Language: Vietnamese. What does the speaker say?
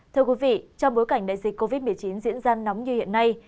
thưa quý vị trong bối cảnh đại dịch covid một mươi chín diễn ra nóng như hiện nay